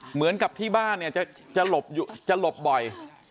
เหมือนกับที่บ้านเนี่ยจะหลบจะหลบบ่อย